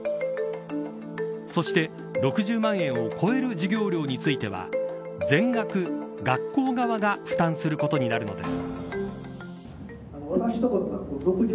そして６０万円を超える授業料については全額学校側が負担することになるのです。